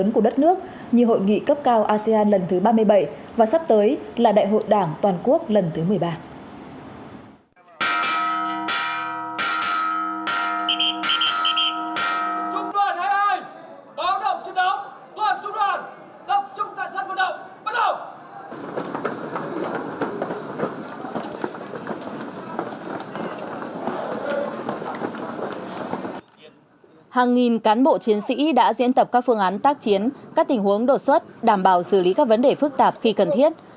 các bộ chiến sĩ đã diễn tập các phương án tác chiến các tình huống đột xuất đảm bảo xử lý các vấn đề phức tạp khi cần thiết